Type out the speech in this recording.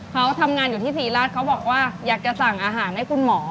เขาทำงานอยู่ที่ศรีราชเขาบอกว่าอยากจะสั่งอาหารให้คุณหมอ